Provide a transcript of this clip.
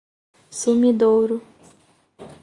Sumidouro